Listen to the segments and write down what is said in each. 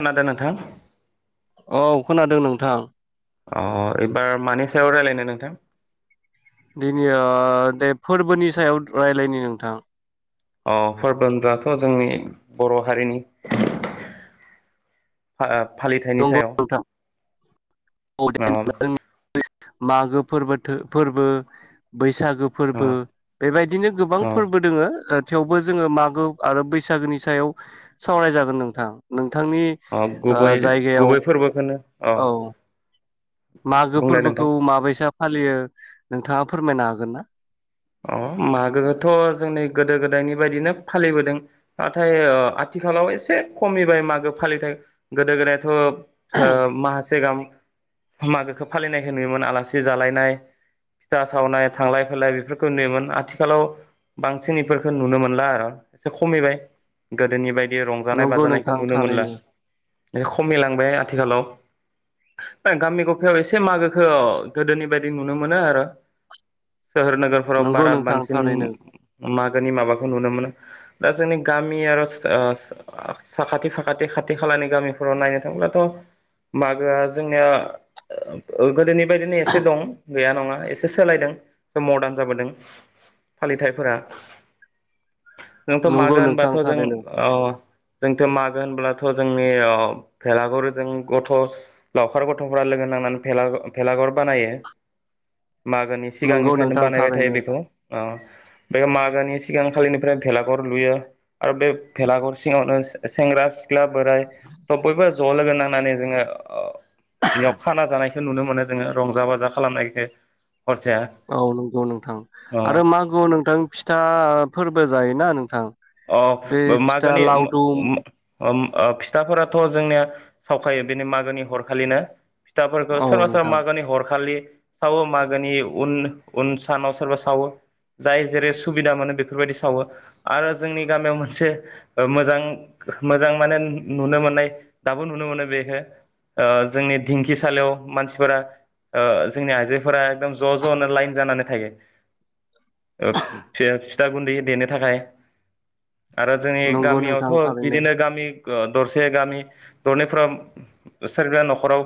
खोनादों नोंथां औ खोनादों नोंथां अ एबार मानि सायाव रायज्लायनो नोंथां। दिनै ओ दे फोरबोनि सायाव रायज्लायनि नोंथां। अ' फोरबो होनब्लाथ' जोंनि बर' हारिनि फालिथायनि दो सायाव नोंथां मो अ फोरबो फोरबो बैसागो अ लोगोफोरबो बेबायदिनो गोबां अ फोरबो दोङो थेवबो जोङो मागो आरो बैसागोनि सायाव सावरायजागोन नोंथां बिथांनि ओ बे जायगायाव गुबै फोरबोखौनो। औ। मागो बुंलाय नोंथां फोरबोखौ माबाइसा फालियो नोंथाङा फोरमायनो हागोन ना। अ मागोखोथ' जोंनि गोदो गोदायनि बायदिनो फालिबोदों नाथाय ओ आथिखालाव एसे खमनिबाय मागो फालिथाय गोदो गोदायाथ' ओ माहासे गाहाम। मागोखौ फालिनायखौ नुयोमोन आलासि जालायनाय फिथा सावनाय थांलाय फैलाय बेफोरखौ नुयोमोन आथिखालाव बांसिन इफोरखौ नुनो मोनला आरो एसे खमैबाय गोदोनि बायदि बे रंजानाय नंगौ बाजानायखौ नोंथां नुनो मोनला थारैनो खमिलांबाय आथिखालाव ओ गामि गफायाव एसे मागोखौ ओ गोदोनि बायदि नुनो मोनो आरो सोहोरनो फोराव नंगौ बारा नोंथां बांसिन थारैनो मागोनि माबाखौ नुनो मोनो दा जोंनि गामि आरो साखाथि फाखाथि खाथि खालानि गामिफोराव नायनो थांब्लाथ' मागोआ जोंनिया गोदोनि बबादिनो एसे दं। गैया नङा एसे सायदों मदान। जाबोदों फालिथायफोरा। जोंथ' नंगौ मागो नोंथां होनबाथ' जों थारैनो ओ जों। मागो होनब्लाथ' जोंनि ओ भेलाघुरजों गथ' लावखार गथ'फोरा लोगो नांनानैेला भेलाघर भेलाघर बानायो। मागोनि नंगौ सिगांनिफ्रायनो नोंथां बानायबाय- थायो थारैनो बेखौ ओ बेखौ मा। घोनि सिगांखालिनिफ्राय भेलाघर लुयो आरो बे भेलाघर सिङावनो सेंग्रा सिख्ला बोराय बयबो ज' लोगो नांना खानानै जोङो बेयाव खाना जानायखौ नुनो मोनो जोङो रंजा बाजा खालामनायजो औ नंगौ। अ आरो माखौ नोंथां। फिथाफोरबो जायोना नोंथां। अ बे फिथा मागोनि म लावदुम म म। ओम ओ फिथाफोराथ' जोंनिया सावखायो बेनि मागोनि हरखालिनो। फिथाफोरखौ औ सोरबा सोरबा नोंथां मागोनि हरखालि। सावो मागोनि उन उन सानाव सोरबा सावो जाय जेरै सुबिदा मोनो बेफोरबायदि सावो आरो। जोंनि गामियाव मोनसे ओ मोजां मोजां माने नुनो मोननाय दाबो नुनो मोनो बेखौ ओ जोंनि दिंखिसालियाव मानसिफोरा ओ जोंनि आइजोफोरा एकदम ज' ज'नो लाइन जानानै थायो। ओ [unintelligible] बिथा गुन्दै देनो थाखाय। आरो जोंनि नंगौ नोंथां गामियावथ' थारैनो बिदिनो गामि ओ दरसे गामि दरनैफोराव सोरबा न'खराव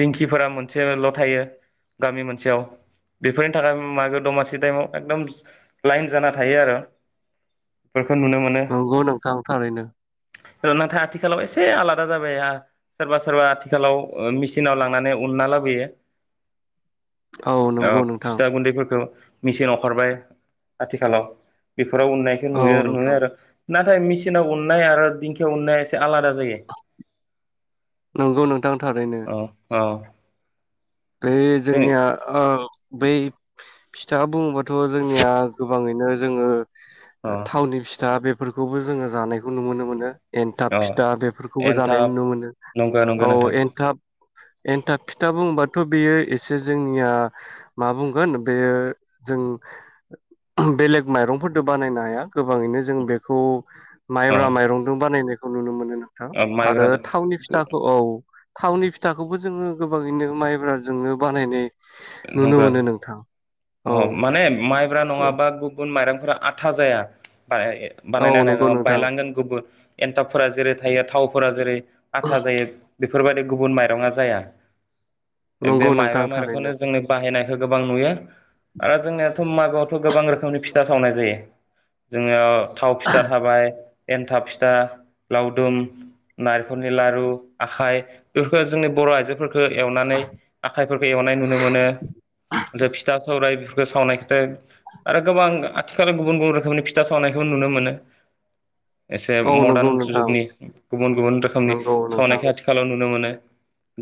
दिंखिफोरा मोनसेल' थायो गामि मोनसेयाव बेफोरनि थाखाय मागो दमासि टाइमाव एकदम लाइन जाना थायो आरो। आ। नंगौ नोंथां थारैनो। ओ नाथाय आथिखालाव एसे आलादा जाबाय सोरबा सोरबा आथिखालाव मेचिनाव लांनानै उनना लाबोयो। औ अ नंगौ नोंथां फिथा गुन्दैफोरखौ। मेचिन ओखारबाय आथिखालाव बेफोर फ्राव उनायखौ औ नुयो नुयो नोंथां आरो। नाथाय मेसिनाव उननाय आरो दिंखियाव उन्नाया एसे आलादा जायो नंगौ नोंथां थारैनो। औ औ बे जों जोंनिया ओ। बै फिथा बुङोबा। थ' जोंनिया गोबाङै बिदिनो जोङो। अ थावनि फिथा बे फोरखौबो जोङो जानायखौ नुनो मोनो। एन्थाब अ फिथा बेफोरखौबो जानाय एन्थाब नुनो मोनो नंगौ नंगौ औ नोंथां एनथाब। एन्थाब खिथा बुंबा थ' बेयो एसे जोंनिया मा बुंगोन बेयो जों बेलेग माइरंफोरजों बानायनो हाया गोबाङैनो जों बेखौ अ माइब्रा माइरंजों बानायनाय खौ नुनो मोनो। औ अ आरो माइब्रा थावनि फिथाखौ औ। थावनि फिथाखौबो जोङो गोबाङैनो माइ ओ जोंनो बानायनाय नंगो मोनो नोंथां अ औ माने माइब्रा नङाबा गुबुन माइरं फोरा आथा जाया। बानायनो औ बानायना नंगौ नङा नोंथां बायलांगोन गुबुन एन्थाबफोरा जेरै थायो थाव फोरा जेरै आथा जायो। बेफोरबायदि गुबुन माइरङा जाया। बे नंगौ माइब्रा नोंथां थारैनो। माइरंखौनो जोंनि बाहायनायखौ गोबां नुयो आरो जोंनिया सम मागोआवथ' गोबां रोखोमनि फिथा सावनाय जायो जोनियाव थाव फिथा थाबाय। एन्थाब फिथा लावदुम नारेंखलनि लारु आखाइ बेफोरखौ जोंनि बर' आइजोफोरख एवनानै आखाइफोरखौ एवनाय नुनो मोन फिथा सावराय बेफोरफोरखौ सावनायखोथाय आरो गोबां आथिखालाव गुबुन गुबुन रोखोमनि फिथा सावनायखौबो नुनो मोनो। एसे औ नंगौ मदार्न नोंथां जुगनि गुबुन गुबुन रोखोमनि नंगौ नोंथां सावनायखौ आथिखालाव नुनो मोनो।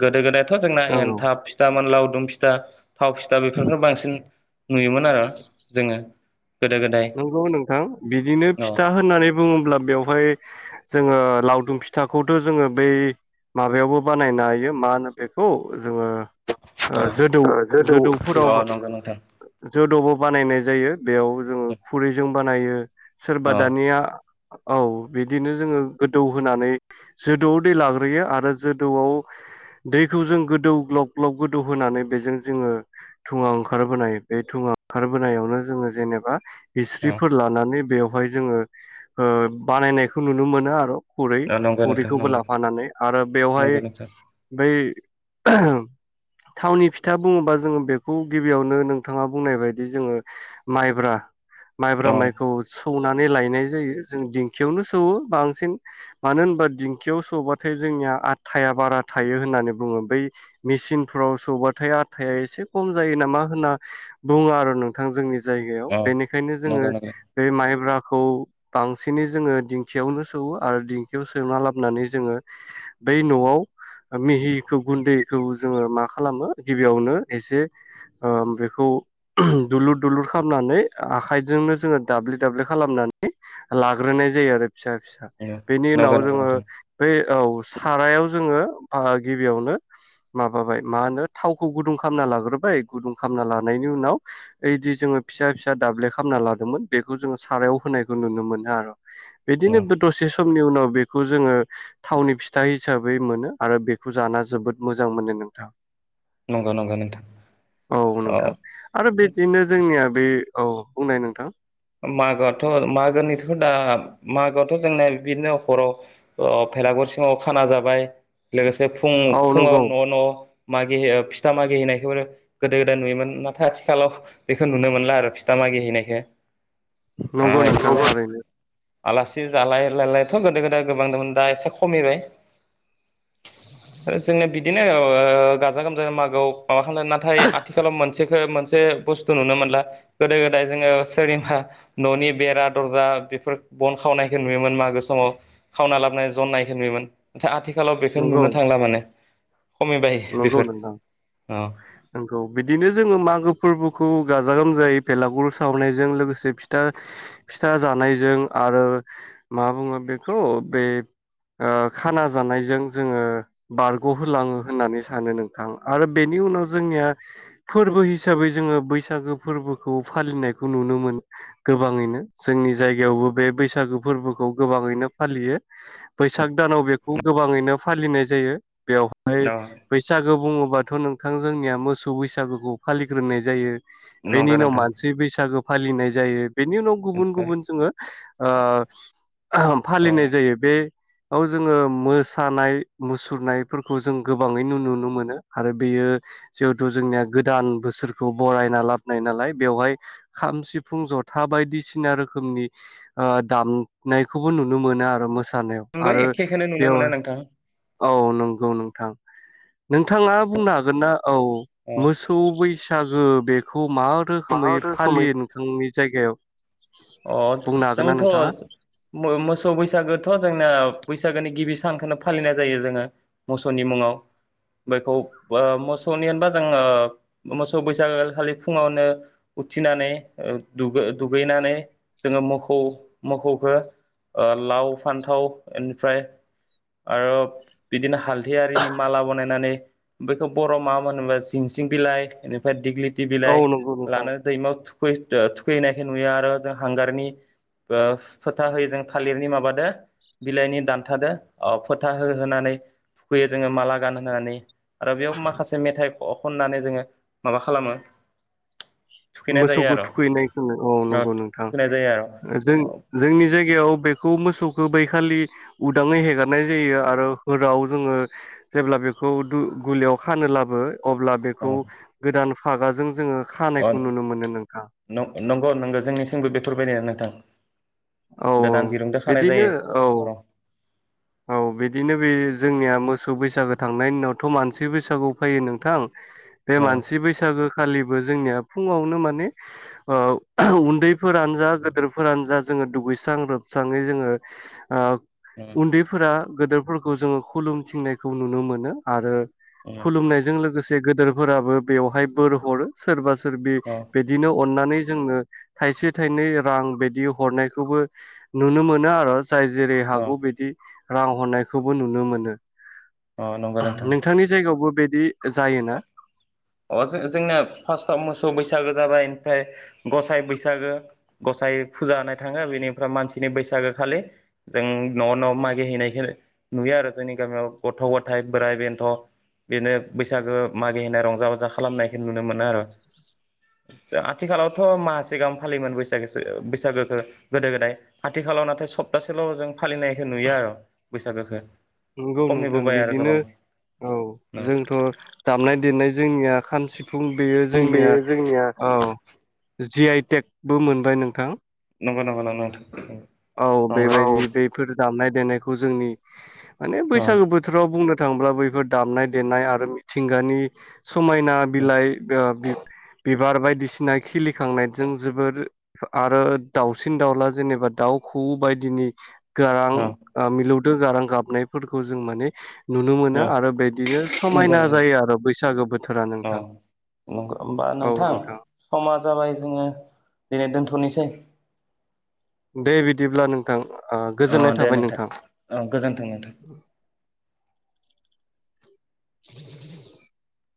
गोदो गोदाय जोंना नंगौ एनथाब फिथा मोन लाव [unintelligible] दा थाव फिथा बेफोरखोनो बांसिन नुयोमोन आरो जोङो। गोदो गोदाय नंगौ नोंथां बिदिनो औ फिथा होननानै बुङोब्ला बेवहाय जोङो लावदुम फिथ थाखौथ' जोङो बै माबायावबो बानायनो हायो मा होनो बेखौ जोङो ओ जोदौ गोदौ अ जोदौफोरावबो नंगौ नोंथां जोदौबो बानायनाय जायो बेयाव जों खुरैजों बानायो सोरबा अ दानिया औ बिदिनो जोङो गोदौ होनानै जोदौआव दै लाग्रोयो आरो जोदौआव दैखौ जों गोदौ ग्लब ग्लब गोदौ होनानै बेजों जोङो धुङा ओंखारबोनाय बे धुङा ओंखारबोनायावनो जोङो जेनेबा अ हिस्रिफोर लानानै बेव हाय जोङो ओ बानायनायखौ नुनो मोनो आर' खुरै नंगौ नोंथां खुरैखौबो नंगौ लाफानानै आरो बेवहाय नंगौ नोंथां बै [unintelligible] थावनि फिथा बुङोबा जोङो बेखौ गिबियावनो नोंथाङा बुंनाय बायदि जोङो माइब्रा। अ माइब्रा माइखौ। सौनानै लायनाय जायो जों दिंखियावनो सौवो बांसिन। मानो होनबा दिंखियाव सौबाथाय जोंनिया आथाया बारा थायो होननानै बुङो। बै मेसिनफ्राव सौबाथाय आथाया एसे खम जायो नामा होनना बुङो आरो नोंथां जोंनि जायगायाव। अ बेनिखायनो जोङो नंगौ नंगौ बे माइब्रा खौ बांसिनै जोङो दिंखियावनो सौवो आरो दिंखियाव सौना लाबोनानै जोङो बै न'आव मिहिखौ गुन्दैखौ जोङो मा खालामो गिबियावनो एसे ओ बेखौ उम दुलुर दुलुर खामनानै आखाइजोंनो जोङो दाब्लि दाब्लि खालामनानै लाग्रोनाय जायो आरो फिसा फिसा नंगौ बेनि नंगौ उनाव जोङो नोंथां ओइ औ सारायाव जोङो आ गिबियावनो माबाबाय मा होनो थावखौ गुदुं खामना लाग्रोबाय गुदुं खामना लानायनि उनाव ओइदि जोङो फिसा फि सा दाब्ले खालामना लादोंमोन बेखौ जोङो सारायाव होनायखौ नुनो मोनो आर' अ बिदिनो दसे समनि उनाव बेखौ जोङो थावनि फिथा हिसाबै मोनो आरो बेखौ जाना जोबोद मोजां मोनो नोंथां। नंगौ नंगौ नोंथां औ अ नोंथां आरो बिदिनो जोंनिया बे औ बुंनाय नोंथां। मागोआथ' मागोनिथ' दा मागोआथ' जोंनिया बिदिनो हराव भेलागुर सिङाव खाना जाबाय लोगोसे फुं औ फुङाव नंगौ न' न' मागियो फिथा मागि हैनायखौ गोदो गोदाय नुयोमोन। नाथाय आथिखालाव बेखौ नुनो मोनला आरो फिथा मागि हैनायखो। नंगौ नोंथां थारैनो। आलासि जालाय लायलायथ' गोदो गोदाय गोबां दंमोन दा एसे खमिबाय। आरो जोंनिया बिदिनो [unintelligible] गाजा गोमजा मागोआव मा खामनो नाथाय आथिखालाव मोनसेखो मोन से बुस्थु नुनो मोनला। गोदो गोदाय जोङो सोरनिबा न'नि बेरा दरजा बेफोर बन खावनायखौ नुयोमोन मागो समाव खावना लाबोनाय जननायखौ नुयोमोन। नाथाय आथि खालाव बेखौ नंगौ नुनो थांला माने। खमिबाय नंगौ बेफोर नोंथां औ नंगौ। बिदिनो जोङो मागो फोरबोखौ गाजा गोम जायै बेलागुर सावनायजों लोगोसे फिथा फिथा जानायजों आरो मा बुङो बेखौ बे ओ खाना जानायजों जोङो बारग'होलाङो। होननानै सानो नोंथां आरो बेनि उनाव जोंनिया फोरबो हिसाबै जोङो बैसागो फोरबोखौ फालिनायखौ नुनो मोनो गोबाङैनो जोंनि जायगायावबो बे बैसागो फोरबोखौ गोबाङैनो फालियो बैसाग दानाव बेखौ गोबाङैनो फालिनाय जायो बेव ओमफाय औ बैसागु बुङोब्ल होमबाथ नोंथां जोंनिया मोसौ बैसागुखौ फालिग्रोनाय जायो। बेनि नंगौ उनाव नोंथां मानसि बैसागो फालिनाय जा जायो। बेनि उनाव गुबुन ओमफ्राय गुबुन जोंङो ओ- अ फालिनाय जायो बे औ जोंङो मोसानाय मुसुरनाय फोर। खौ जों गोबाङैनो नुनो मोनो आरो बेयो जिहेथु जोंनिया गोदान बोसोरखौ बरायना लाबोनाय नालाय बेवहाय खाम सिफुं जथा बायदिसिना रोखोमनि ओ-दामब-नायखौबो नुनो मोनो आरो मो थानायाव जोंबो आरो एखेखौनो नुनो बेव मोनो नोंथां औ नंगौ नोंथां नोंथाङा बुंनो हागोन ना औ मोसौ बैसा [unintelligible] बेखो। खौ मा मा रोखोमै रोखोमै फालियो नोंथांनि जायगायाव? अ बुंनो हागोन ना नोंथाङा जोंथ मो-मोसौ बैसागोथ जों बैसागोनि गिबि सानखौनो फालिनाय जायो जोंङो मोसौनि मुङाव बैखौ आ-मोसौनि होनबा जों-आ मोसौ बैसागो खालि फुङावनो उथिनानैु दुग-दुगैनानै। जोंङो मोखौ मोखौखो ओ लाव फान्थाव इनिफ्राय आरो बिदिनो हालदै आरिनि माला बनायनानै बेखौ बर आव मा मोनोमबा जिंसिं बिलाइ बेनिफ्राय दिग्लि औ थिबिलाय नंगौ नोंथां लानो दैमा [unintelligible] थुखैनायखो नुयो आरो जो हांगारनि ओ फोथा होयो जों थालिरनि माबादो बिलाइनि दान्थादो अ फोथा हो-होनानै थुखैयो जोंङो माला गान होनानै आरो बेयाव माखासे मेथाइ। अ-खननानै जोंङो माबा खालामो। थुखैनाय जायो मोसौखौ आरो थुखैनायखौ औ ओ नंगौ नंगौ थुखैनाय जायो आरो आं जों जोंनि जायग याव बेखौ मोसौखौ बैखालि उदाङै हेगारनाय जायो आरो होराव जोंङो जेब्ला बेखौ दु-गुलियाव खानोलाबो। अब्ला बेखौ गोदान। हागाजों जोंङो। अथ नंग-नंगौ जोंनि। बो बेफोरबायदिआनो नोंथां। औ गोदान दिरुंदो खानाय बिदिनो जायो औ र। औ बिदिनो बे जोंनिया मोसौ बैसागो थांनायनि उनावथ मानसि बैसागुआव फैयो नोंथां। बे उम मानसि बैसागो खालि। जोंनिया फुङावनो माने उन्दैफोरानो जा गेदोरफोरानो जा जोंङो दुगैस्रां लोबस्राङै जोंङो ओ उन्दैफोरा गोदोरफ फोरखौ जोंङो खुलुमथिंनायखौ नुनो मोनो आरो उम खुलुमनायजों लोगोसे गोदोरफोराबो बेवहाय बोर हरो सोरबा सोर सोर अ बि-बिदिनो अननानै जोंनो थाइसे थाइनै रां बायदि हरनायखौबो नुनो मोनो आरो जाय जेरै अ हागौ बिद। राव हरनायखोबो नुनो मोनो। अ नंगौ नोंथां नोंथांनि जायगायावबोब बेयदि। जायोना अ जों जोंनाया फार्स्टआव मोसौ बैसागो जाबाय ओमफ्राय गसाइ बैसागो गसाइ फुजा होनाय थाङो बेनिफ्राय मानसिनि बैसागो खालि जों न'आव न' मागि हैनायखौ नुयो आरो जोंनि गामियाव गथ' गथाय बोराइ बेन्थ' बेनो बैसागो मागिहैनाय रंजा बाजा खालामनायखौ नुनो मोनो आरो आथिखालावथ' माहासे सिगाहाम फालियोमोन बैसागो बैसागोखौ गोदो गोदाय आथिखालाव नाथाय सप्तासेल' जों फालिनायखौ नुयो आरो बैसागोखौ नोंगौ खमनिबो नोंथां बाया आरो बिदिनो गोबां औ न जोंथ' दामनाय देनायजों जोंनिया खाम सिफुं बेयो जोंनिया बेयो जोंनिया औ जि आइटेकबो मोनबाय नोंथां। नंङौ नामा ना नोंथां। औ नंगौ बेबायदि बेफोर दामनाय देनायखौ जोंनि। माने अ बैसागो बोथोराव बुंनो थांब्ला बैफोर दामनाय देनाय आरो मिथिंगानि। समायना अ बिलाइ ओ बिब। बिबार बायदिसिना खिलिखांनायजों जोबोर आरो दाउसिन दाउला जेनेबा दाउ खौवौ बायदिनि अ गारां मिलौ दो गारां गाबनायफोरखौ जों माने। नुनो मोनो आरो बिदिनो नंगौ समायना नंगौ जायो आरो बैसागो बोथोरा अ नोंथां नंगौ होमबा औ नोंथां समा जाबाय जोङो दिनै दोनथ'नोसै। दे बिदिब्ला नोंथां ओ अ गोजोननाय दे थाबाय नोंथां औ गोजोन्थों नोंथां। [inaudible]